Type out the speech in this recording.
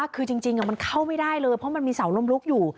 คือจริงมันเข้าไม่ได้เลยเพราะมันมีเสาลมลุกอยู่